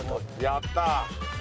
やった。